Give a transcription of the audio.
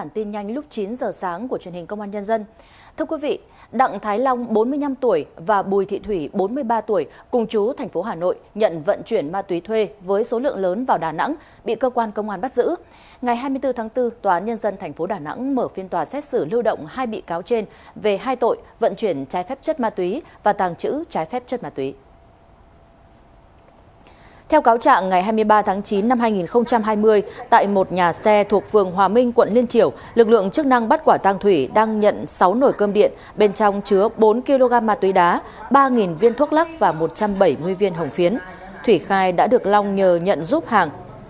theo cáo trạng ngày hai mươi ba tháng chín năm hai nghìn hai mươi tại một nhà xe thuộc vườn hòa minh quận liên triểu lực lượng chức năng bắt quả tăng thủy đang nhận sáu nổi cơm điện bên trong chứa bốn kg ma túy đá ba viên thuốc lắc và một trăm bảy mươi viên hồng phiến thủy khai đã được long nhờ nhận giúp hàng